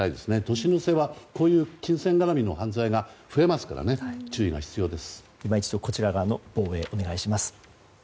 年の瀬は金銭絡みの事件が増えますから注意が必要です。